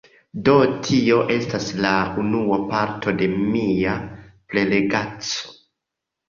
Do tio estas la unua parto de mia prelegaĉo